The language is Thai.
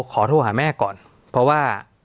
โทรหาแม่ก่อนเพราะว่า